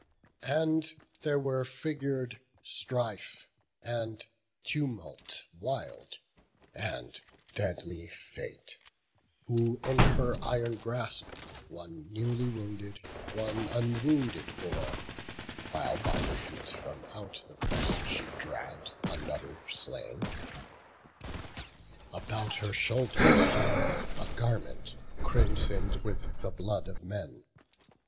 And there were figur'd Strife, and Tumult wild, And deadly Fate, who in her iron grasp One newly wounded, one unwounded bore, While by the feet from out the press she dragg'd Another slain: about her shoulders hung A garment crimson'd with the blood of men.